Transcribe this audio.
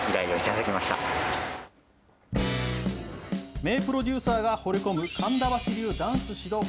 名プロデューサーがほれ込む神田橋流ダンス指導法。